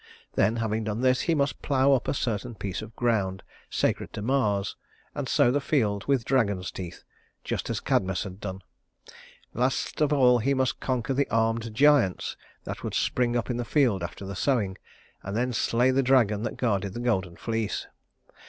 Then, having done this, he must plow up a certain piece of ground sacred to Mars, and sow the field with dragon's teeth just as Cadmus had done. Last of all he must conquer the armed giants that would spring up in the field after the sowing, and then slay the dragon that guarded the golden fleece.